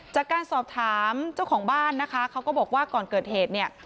จากการสอบถามเจ้าของบ้านนะคะเขาก็บอกว่าก่อนเกิดเหตุเนี่ย